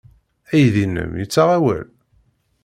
Aydi-nnem yettaɣ awal?